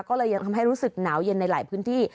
ก็เลยยังทำให้รู้สึกหนาวเย็นในหลายพื้นที่